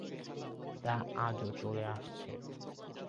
তা আজ ও চলে আসছে।